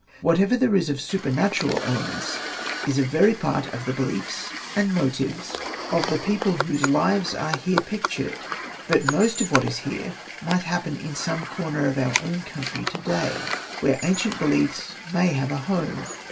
What ever there is of supernatural elements is a very part of the beliefs and motives of the Hosted by Google vi PREFACE y w people whose lives are here pictured. But ^ most of what is here might happen in some f^^* , corner of our own country to day, where ^\^: ancient beliefs may have a home.